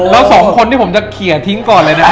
แล้วสองคนที่ผมจะเขียนทิ้งก่อนเลยนะ